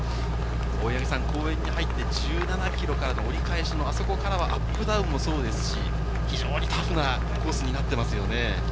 公園に入って１７ｋｍからの折り返しの、あそこからはアップダウンもそうですし、非常にタフなコースになっていますよね。